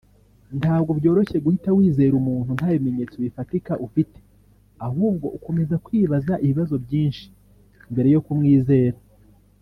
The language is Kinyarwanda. ntabwo byoroshye guhita wizera umuntu nta bimenyetso bifatika ufite ahubwo ukomeza kwibaza ibibazo byinshi mbere yo kumwizera